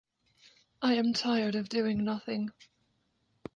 I am tired of doing nothing.